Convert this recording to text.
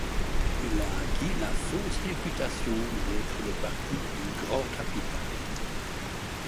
Il a acquis la fausse réputation d'être le parti du grand capital.